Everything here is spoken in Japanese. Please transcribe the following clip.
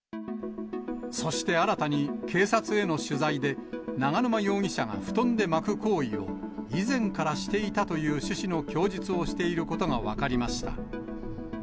そして新たに警察への取材で、永沼容疑者が布団で巻く行為を以前からしていたという趣旨の供述をしていることが分かりました。